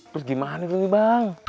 terus gimana nih bang